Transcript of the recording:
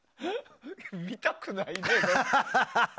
見たくないわ。